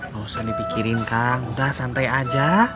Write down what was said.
gak usah dipikirin kang udah santai aja